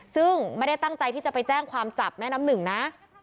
ซึ่งไม่ได้ตั้งใจที่จะไปแจ้งความจับแม่น้ำหนึ่งนะ